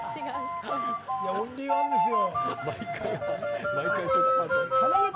オンリーワンですよ。